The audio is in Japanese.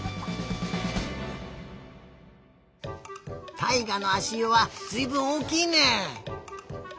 たいがのあしゆはずいぶんおおきいね。